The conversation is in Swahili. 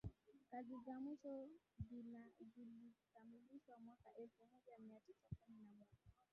kazi za mwisho zilikamilishwa mwaka elfu moja mia tisa kumi na moja